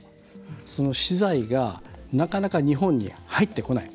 その資材がなかなか日本に入ってこない。